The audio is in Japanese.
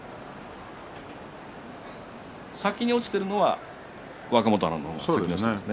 先に落ちているのは若元春の方ですね。